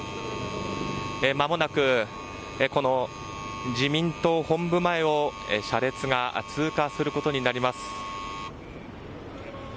まもなくこの自民党本部前を車列が通過することになります。